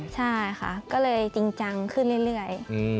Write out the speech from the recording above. ใช่ค่ะก็เลยจริงจังขึ้นเรื่อย